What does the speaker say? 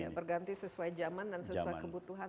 ya berganti sesuai zaman dan sesuai kebutuhan